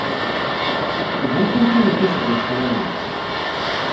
Iban kan kennemti seg Ustṛalya.